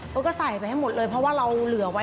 เขาก็ใส่ไปให้หมดเลยเพราะว่าเราเหลือไว้